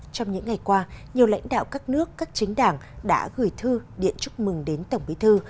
trong những ngày qua nhiều lãnh đạo các nước các chính đảng đã gửi thư điện chúc mừng đến tổng bí thư